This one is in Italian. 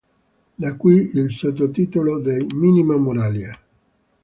Da qui il sottotitolo dei "Minima Moralia.